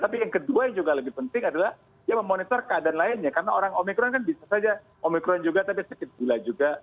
tapi yang kedua yang juga lebih penting adalah dia memonitor keadaan lainnya karena orang omikron kan bisa saja omikron juga tapi sakit gula juga